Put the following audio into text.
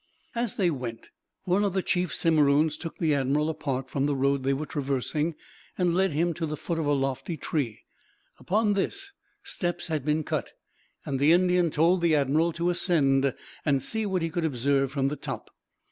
As they went, one of the chief Simeroons took the admiral apart from the road they were traversing, and led him to the foot of a lofty tree. Upon this steps had been cut, and the Indian told the admiral to ascend, and see what he could observe from the top.